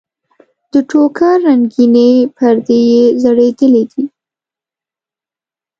د ټوکر رنګینې پردې یې ځړېدلې دي.